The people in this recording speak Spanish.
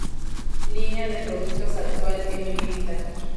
Línea de productos actual en negrita.